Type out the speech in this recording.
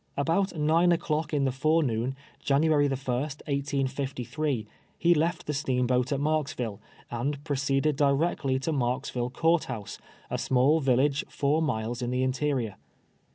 About nine o'clock in the forenoon, January 1st, 1S53, he left the steamboat at Marksville, and proceeded directly to Marksville Court House, a small village four miles in the interior.